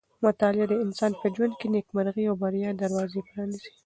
مطالعه د انسان په ژوند کې د نېکمرغۍ او بریا دروازې پرانیزي.